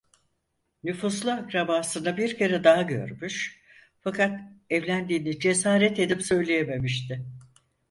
Nüfuzlu akrabasını bir kere daha görmüş, fakat evlendiğini cesaret edip söyleyememişti.